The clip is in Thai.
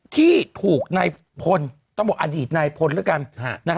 ที่ถูกนายพลต้องบอกอดีตนายพลแล้วกัน